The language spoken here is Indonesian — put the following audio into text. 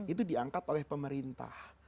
itu diangkat oleh pemerintah